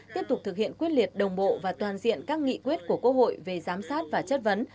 tiếp tục thực hiện quyết liệt đồng bộ và toàn diện các nghị quyết của quốc hội về giám sát và chất vấn